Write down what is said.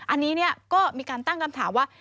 อันนี้ก็มีการตั้งคำถามว่า